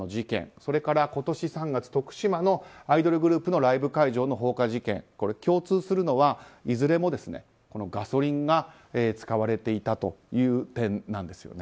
それから、今年３月徳島のアイドルグループのライブ会場の放火事件、共通するのはいずれもガソリンが使われていたという点なんですよね。